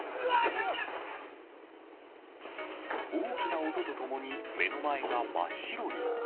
大きな音とともに、目の前が真っ白に。